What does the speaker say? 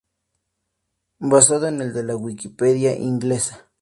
Basado en el de la Wikipedia inglesa